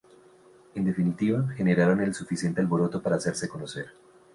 En definitiva, generaron el suficiente alboroto para hacerse conocer.